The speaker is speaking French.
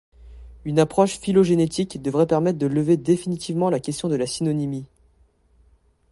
Une approche phylogénétique devrait permettre de lever définitivement la question de la synonymie.